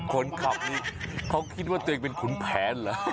คนขับนี่เขาคิดว่าตัวเองเป็นขุนแผนเหรอ